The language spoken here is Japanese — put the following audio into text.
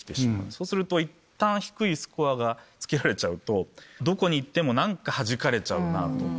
そうするといったん低いスコアが付けられちゃうとどこに行っても何かはじかれちゃうなと。